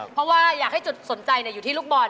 เพราะว่าอยากให้จุดสนใจอยู่ที่ลูกบอล